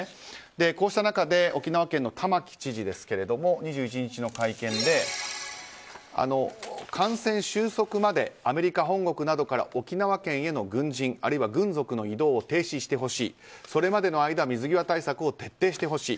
こうした中、沖縄県の玉城知事は２１日の会見で、感染収束までアメリカ本国などから沖縄県への軍人あるいは軍属の移動を停止してほしいそれまでの間水際対策を徹底してほしい。